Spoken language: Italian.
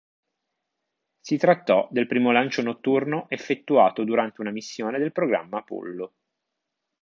Si trattò del primo lancio notturno effettuato durante una missione del programma Apollo.